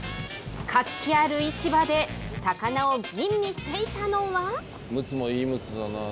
活気ある市場で魚を吟味していたのは。